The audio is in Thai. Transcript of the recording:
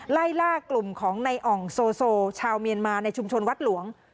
ไล่ล่ากลุ่มของในอ่องโซชาวเมียนมาในชุมชนวัดหลวง